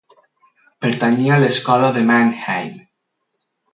Pertanyia a l'Escola de Mannheim.